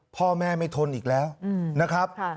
พ่อแม่ไม่ทนอีกแล้วนะครับ